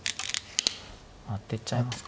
アテちゃいますか。